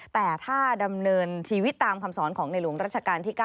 แต่ถ้าดำเนินชีวิตตามคำสอนของในหลวงรัชกาลที่๙